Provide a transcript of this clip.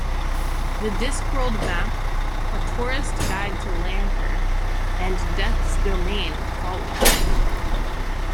"The Discworld Mapp", "A Tourist Guide to Lancre" and "Death's Domain" followed.